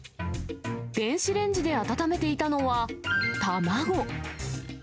電子レンジで温めていたのは、卵。